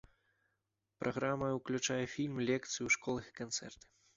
Праграма ўключае фільм, лекцыі ў школах і канцэрты.